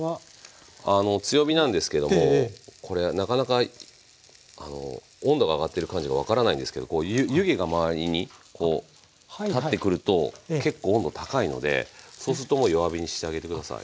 あの強火なんですけどもこれなかなか温度が上がってる感じが分からないんですけど湯気が周りにこう立ってくると結構温度高いのでそうするともう弱火にしてあげて下さい。